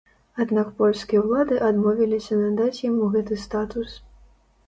Аднак польскія ўлады адмовіліся надаць яму гэты статус.